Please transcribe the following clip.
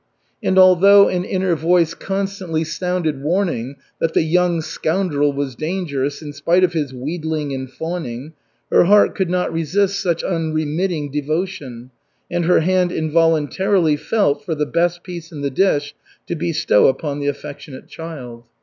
And although an inner voice constantly sounded warning that the young scoundrel was dangerous in spite of his wheedling and fawning, her heart could not resist such unremitting devotion and her hand involuntarily felt for the best piece in the dish to bestow upon the affectionate child.